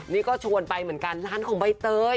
นี่ก็ชวนไปเหมือนกันร้านของใบเตย